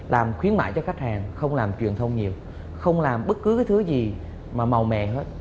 làm khuyến mại cho khách hàng không làm truyền thông nhiều không làm bất cứ cái thứ gì mà màu mè hết